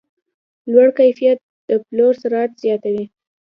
لوړ کیفیت د پلور سرعت زیاتوي.